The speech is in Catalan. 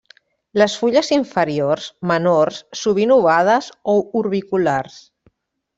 Les fulles inferiors, menors, sovint ovades o orbiculars.